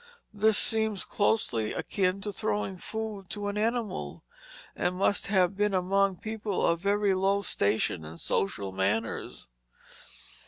This seems closely akin to throwing food to an animal, and must have been among people of very low station and social manners.